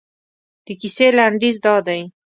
د کیسې لنډیز دادی.